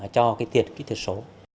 cho cái tiền kỹ thuật số